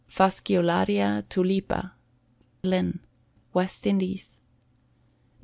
Fasciolaria Tulipa. Linn. West Indies. No.